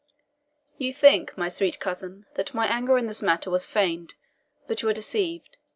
"You think, my sweet cousin, that my anger in this matter was feigned; but you are deceived.